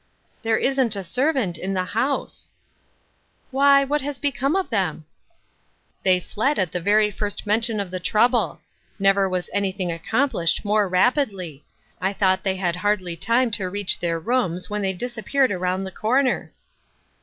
" There isn't a ; ^.rvant in the house I " The Cross of Helplessness. 189 " Why, what has become of them ?"*' They fled at the very first mention of the trouble. Never was anything accomplished more rapidly. I thought they had hardly time to reach their rooms when they disappeared around the corner.'